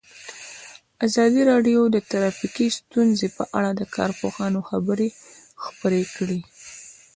ازادي راډیو د ټرافیکي ستونزې په اړه د کارپوهانو خبرې خپرې کړي.